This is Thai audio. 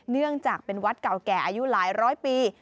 เนื่องจากเป็นวัดเก่าแก่อายุหลายร้อยปี